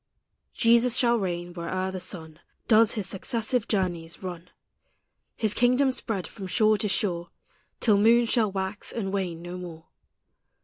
Jesus shall reign where'er the sun Does his successive journeys run, His kingdom spread from shore to shore, Till moons shall wax and wane no more.